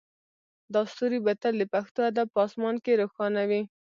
دا ستوری به تل د پښتو ادب په اسمان کې روښانه وي